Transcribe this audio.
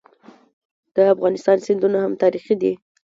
د افغانستان سیندونه هم تاریخي دي.